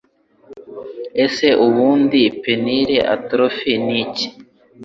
Ese ubundi Penile Atrophy ni iki